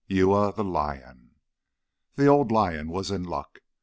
IV UYA THE LION The old lion was in luck.